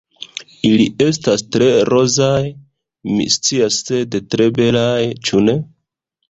Ili estas tre rozaj, mi scias sed tre belaj, ĉu ne?